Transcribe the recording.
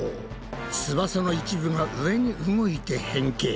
翼の一部が上に動いて変形。